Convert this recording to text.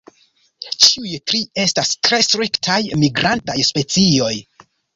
Ĉiuj tri estas tre striktaj migrantaj specioj.